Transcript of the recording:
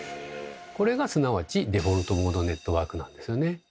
これがすなわちデフォルトモードネットワークなんですよね。